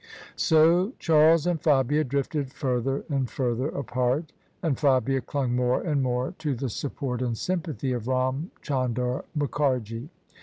' So Charles and Fabia drifted further and further apart: and Fabia clung more and more to the support and sympathy of Ram Chandar Mukharji.